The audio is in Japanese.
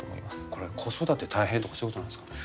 これ子育て大変とかそういうことなんですかね？